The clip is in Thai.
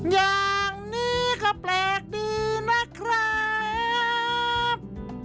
อย่างนี้ก็แปลกดีนะครับ